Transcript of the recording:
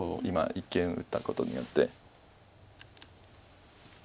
今一間打ったことによって。